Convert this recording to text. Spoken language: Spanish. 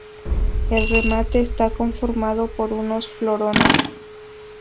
El remate está conformado por unos florones.